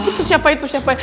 itu siapa itu siapa